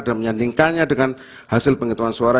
dan menyandingkannya dengan hasil penghitungan suara